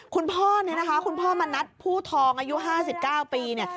คุณพ่อเนี่ยนะคะคุณพ่อมณัฐผู้ทองอายุ๕๙ปีเนี่ย